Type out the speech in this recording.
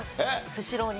スシローに。